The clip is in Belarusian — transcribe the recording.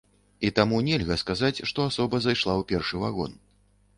І таму нельга сказаць, што асоба зайшла ў першы вагон.